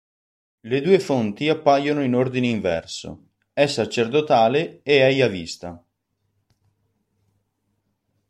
Le due fonti appaiono in ordine inverso: è sacerdotale e è Jahvista.